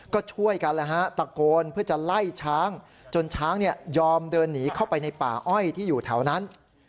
ก็ช่วยกันแล้วฮะตะโกนเพื่อจะไล่ช้างจนช้างยอมเดินหนีเข้าไปในป่าอ้อยที่อยู่แถวนั้น